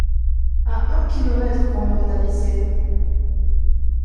À un kilomètre, qu’on le retapissait !